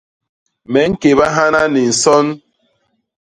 Me ñkéba hana ni nson.